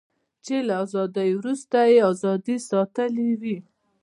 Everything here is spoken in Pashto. چې له ازادۍ وروسته یې ازادي ساتلې وي.